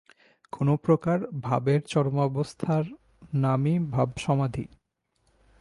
কোন প্রকার ভাবের চরমাবস্থার নামই ভাবসমাধি।